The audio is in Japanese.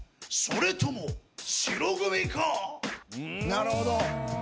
なるほど。